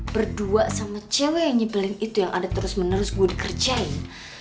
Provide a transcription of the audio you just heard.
berdua sama cewek yang nyebelin itu yang ada terus menerus gue dikerjain